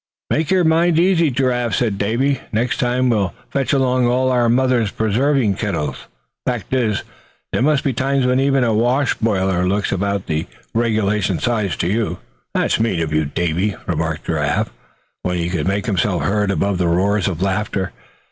"Make your mind easy, Giraffe," said Davy; "next time we'll fetch along all our mothers' preserving kettles. Fact is, there must be times when even a wash boiler looks about the regulation size, to you!" "That's mean of you, Davy," remarked Giraffe, when he could make himself heard above the roars of laughter.